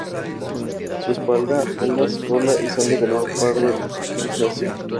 Su espalda, alas y cola son de color pardo grisáceo.